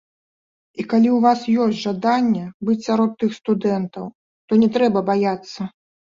І калі ў вас ёсць жаданне быць сярод тых студэнтаў, то не трэба баяцца.